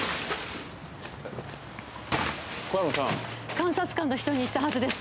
監察官の人に言ったはずです。